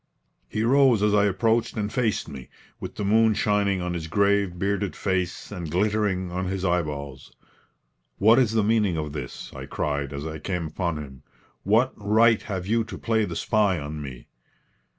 He rose as I approached and faced me, with the moon shining on his grave, bearded face and glittering on his eyeballs. "What is the meaning of this?" I cried, as I came upon him. "What right have you to play the spy on me?"